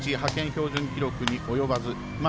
標準記録に及ばず。